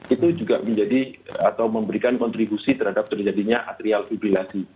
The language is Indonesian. itu juga menjadi atau memberikan kontribusi terhadap terjadinya atrial fibrilasi